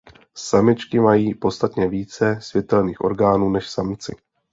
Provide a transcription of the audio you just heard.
Samičky mají podstatně více světelných orgánů než samci.